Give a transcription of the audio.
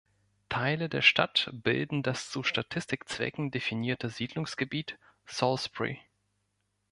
Teile der Stadt bilden das zu Statistikzwecken definierte Siedlungsgebiet Salisbury.